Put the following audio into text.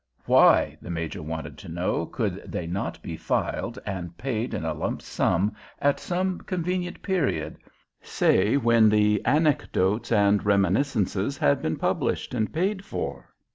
Why, the Major wanted to know, could they not be filed and paid in a lump sum at some convenient period—say when the Anecdotes and Reminiscences had been published and paid for?